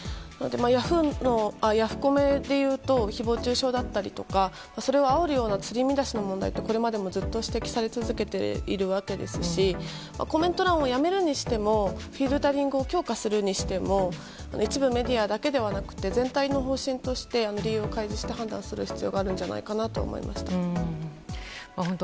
ヤフコメで言うと誹謗中傷だったりとかそれをあおるような釣り見出しの問題がこれまでずっと指摘されているわけですしコメント欄をやめるにしてもフィルタリングを強化するにしても一部メディアだけではなくて全体の方針として理由を開示して判断する必要があると思います。